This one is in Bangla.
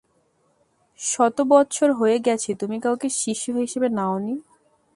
শত বৎসর হয়ে গেছে তুমি কাউকে শিষ্য হিসেবে নাওনি।